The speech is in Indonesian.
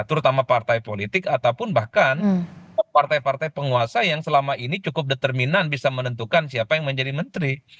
terutama partai politik ataupun bahkan partai partai penguasa yang selama ini cukup determinan bisa menentukan siapa yang menjadi menteri